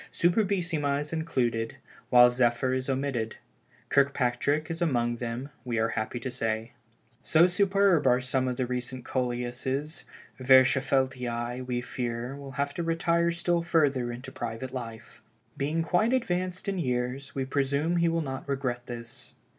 Superbissima is included, while Zephyr is omitted. Kirkpatrick is among them, we are happy to say. So superb are some of the recent Coleuses, Verschaffeltii, we fear, will have to retire still further into private life. Being quite advanced in years, we presume he will not regret this.